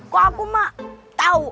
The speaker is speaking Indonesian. kok aku mah tahu